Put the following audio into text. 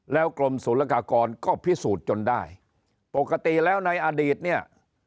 แล้วกรมศูนยากากรก็พิสูจน์จนได้ปกติแล้วในอดีตเนี่ย